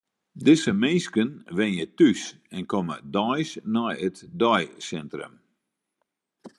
Dizze minsken wenje thús en komme deis nei it deisintrum.